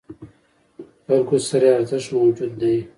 خلکو سره یې ارزښت موجود دی.